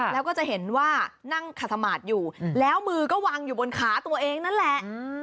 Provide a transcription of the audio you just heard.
แล้วก็จะเห็นว่านั่งขัดสมาธิอยู่แล้วมือก็วางอยู่บนขาตัวเองนั่นแหละ